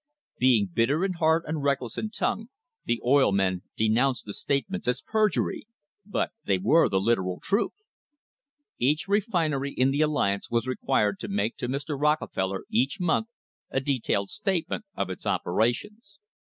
Being bitter in heart and reckless in tongue, the oil men denounced the statements as perjury, but they were the literal truth. Each refinery in the alliance was required to make to Mr. Rockefeller each month a detailed statement of its operations.